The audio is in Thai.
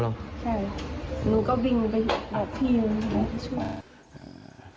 ใช่หนูก็วิ่งไปบอกพี่